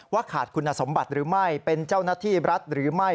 ขาดคุณสมบัติหรือไม่เป็นเจ้าหน้าที่รัฐหรือไม่